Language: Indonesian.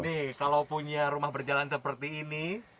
nih kalau punya rumah berjalan seperti ini